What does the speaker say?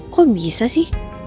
kok bisa sih